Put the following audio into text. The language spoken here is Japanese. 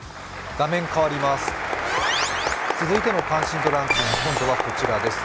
続いての関心度ランキング、今度はこちらです。